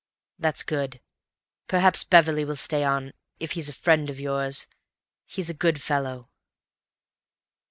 "That's good. Perhaps Beverley will stay on, if he's a friend of yours. He's a good fellow."